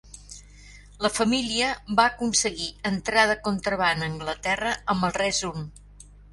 La família va aconseguir entrar de contraban a Anglaterra amb el Rezun.